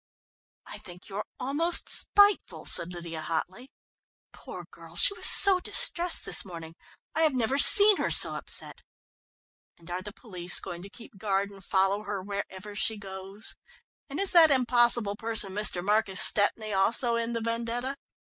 "I think you're almost spiteful," said Lydia hotly. "Poor girl, she was so distressed this morning; I have never seen her so upset." "And are the police going to keep guard and follow her wherever she goes? And is that impossible person, Mr. Marcus Stepney, also in the vendetta?